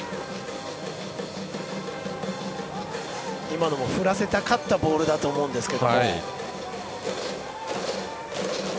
今のも振らせたかったボールだとは思うんですが。